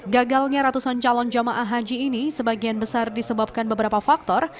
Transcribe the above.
gagalnya ratusan calon jamaah haji ini sebagian besar disebabkan beberapa faktor